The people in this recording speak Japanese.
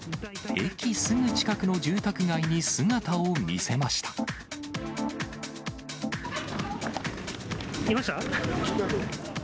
駅すぐ近くの住宅街に姿を見いました？